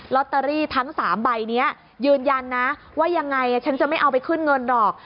ลอตเตอรี่ทั้ง๓ใบนี้ยืนยันนะว่ายังไงฉันจะไม่เอาไปขึ้นเงินหรอก